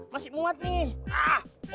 masih masih ada ministri